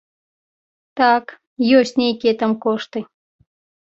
Так, ёсць нейкія там кошты.